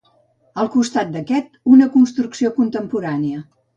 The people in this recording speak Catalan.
Al costat d'aquest una construcció contemporània.